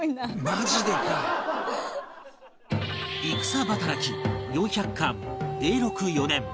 「戦働き」「４００貫」「永禄４年」